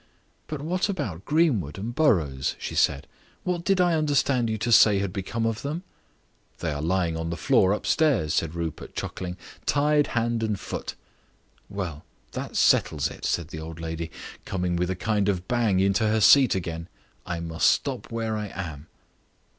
"But what about Greenwood and Burrows?" she said. "What did I understand you to say had become of them?" "They are lying on the floor upstairs," said Rupert, chuckling. "Tied hand and foot." "Well, that settles it," said the old lady, coming with a kind of bang into her seat again, "I must stop where I am."